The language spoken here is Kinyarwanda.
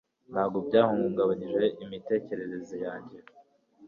Ntabwo byahungabanije imitekerereze yanjye